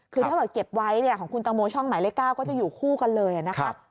คือถ้าเกิดเก็บไว้ของคุณตังโมช่องหมายเลข๙ก็จะอยู่คู่กันเลยนะครับ